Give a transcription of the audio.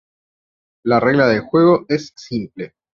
La regla del juego es simple.